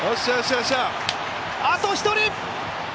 あと１人。